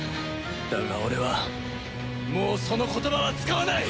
だが俺はもうその言葉は使わない！